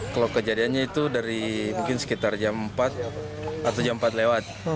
kalau kejadiannya itu dari mungkin sekitar jam empat atau jam empat lewat